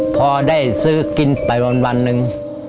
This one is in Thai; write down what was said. พอได้ซื้อกินไปวันหนึ่ง